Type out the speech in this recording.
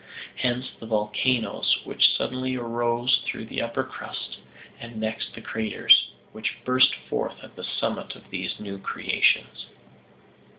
Hence the volcanoes which suddenly arose through the upper crust, and next the craters, which burst forth at the summit of these new creations.